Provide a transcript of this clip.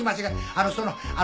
あのそのあの。